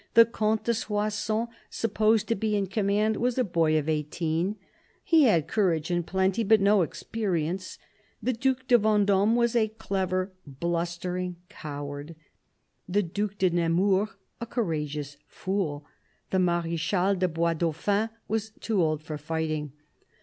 The Comte de Soissons, supposed to be in command, was a boy of eighteen ; he had courage in plenty, but no experience. The Due de Vendome was a clever, blustering coward ; the Due de Nemours a courageous fool ; the Marechal de Bois Dauphin was too old for fighting.